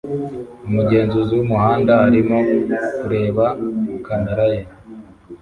Umugenzuzi wumuhanda arimo kureba kamera ye